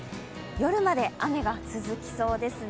夜まで雨が続きそうですね。